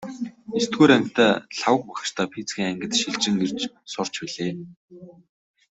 Есдүгээр ангидаа Лхагва багштай физикийн ангид шилжин ирж сурч билээ.